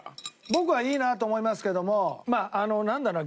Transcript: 僕はいいなと思いますけどもまあなんだろう